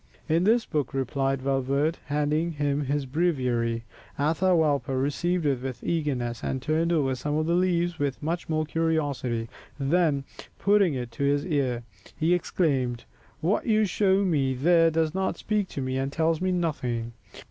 "In this book," replied Valverde, handing him his breviary. Atahualpa received it with eagerness and turned over some of the leaves with much curiosity, then, putting it to his ear, he exclaimed, "What you show me there does not speak to me, and tells me nothing."